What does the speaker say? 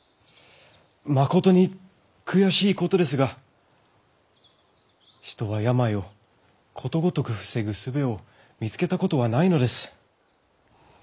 まことに悔しいことですが人は病をことごとく防ぐ術を見つけたことはないのです。